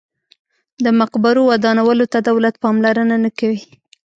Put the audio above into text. د مقبرو ودانولو ته دولت پاملرنه نه کوي.